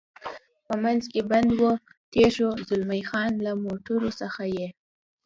په منځ کې بند و، تېر شو، زلمی خان: له موټرو څخه یې.